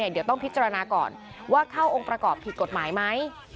เดี๋ยวต้องพิจารณาก่อนว่าเข้าองค์ประกอบผิดกฎหมายไหม